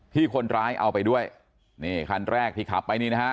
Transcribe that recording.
ที่คนร้ายเอาไปด้วยนี่คันแรกที่ขับไปนี่นะฮะ